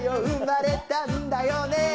「生まれたんだよね」